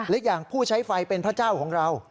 และอย่างผู้ใช้ไฟเป็นพระเจ้าของเรา